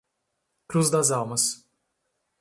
Cruz das Almas